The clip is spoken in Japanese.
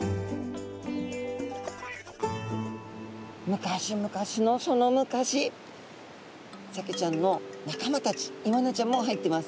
昔昔のその昔サケちゃんの仲間たちイワナちゃんも入ってます。